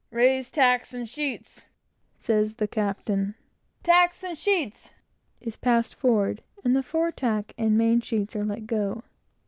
"Raise tacks and sheets!" says the captain; "tacks and sheets!" is passed forward, and the fore tack and main sheet are let go.